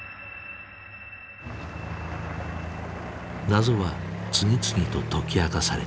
謎は次々と解き明かされていく。